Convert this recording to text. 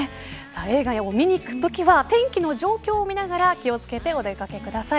映画を見に行くときは天気の状況をみながら気を付けてお出掛けください。